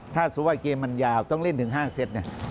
ถ้าสมมุติว่าเกมมันยาวต้องเล่นถึง๕เซต